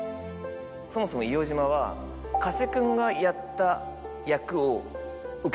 そもそも『硫黄島』は加瀬君がやった。